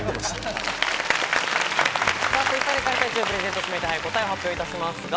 ツイッターで開催中、プレゼント指名手配、答えを発表いたしますが。